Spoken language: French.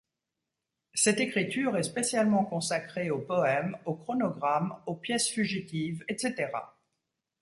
Cette écriture est spécialement consacrée aux poèmes, aux chronogrames, aux pièces fugitives, etc.